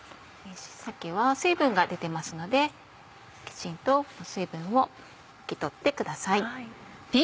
鮭は水分が出てますのできちんと水分を拭き取ってください。